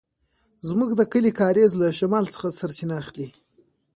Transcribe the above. زموږ د کلي کاریز له شمال څخه سرچينه اخيسته.